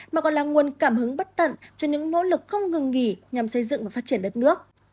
mà còn là nguồn cảm hứng bất tận cho những nỗ lực không ngừng nghỉ nhằm xây dựng và phát triển đất nước